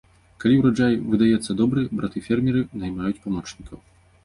Калі ўраджай выдаецца добры, браты-фермеры наймаюць памочнікаў.